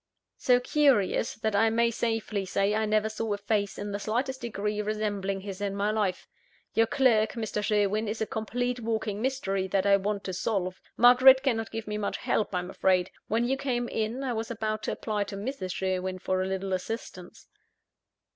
"So curious, that I may safely say I never saw a face in the slightest degree resembling his in my life. Your clerk, Mr. Sherwin, is a complete walking mystery that I want to solve. Margaret cannot give me much help, I am afraid. When you came in, I was about to apply to Mrs. Sherwin for a little assistance."